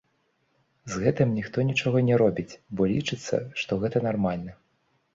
З гэтым ніхто нічога не робіць, бо лічыцца, што гэта нармальна.